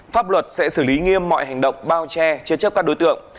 pháp luật sẽ xử lý nghiêm mọi hành động bao che chế chấp các đối tượng